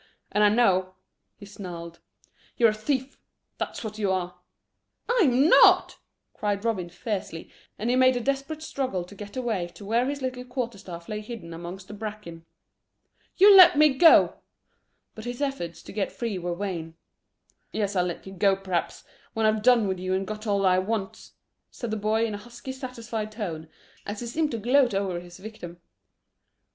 And I know," he snarled, "you're a thief; that's what you are." "I'm not," cried Robin fiercely, and he made a desperate struggle to get away to where his little quarter staff lay half hidden amongst the bracken. "You let me go." But his efforts to get free were vain. "Yes, I'll let you go, p'raps, when I've done with you and got all I wants," said the boy, in a husky, satisfied tone, as he seemed to gloat over his victim.